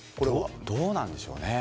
どうなんでしょうね。